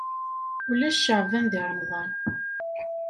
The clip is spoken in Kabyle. Ulac ceɛban deg remḍan.